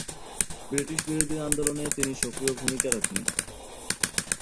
British বিরোধী আন্দোলনে তিনি সক্রিয় ভূমিকা রাখেন।